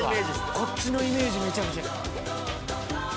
こっちのイメージめちゃくちゃ。